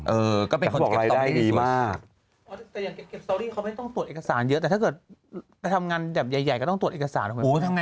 เออก็เป็นคนเก็บต้องได้ดีสุด